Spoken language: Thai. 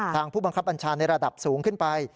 ผู้บังคับบัญชาในระดับสูงขึ้นไป